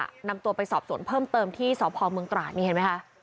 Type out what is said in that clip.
นำตัวไปสอบสวนเพิ่มเติมที่สพเมืองตราดนี่เห็นไหมคะ